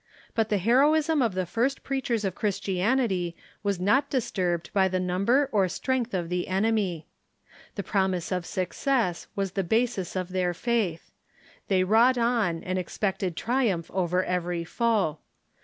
But the heroism of the first preaciiers of Christianity was not disturbed by the number or strength of the enemy. The laromise of success was the basis of their faith. They wrought on, and expected triumph over every foe.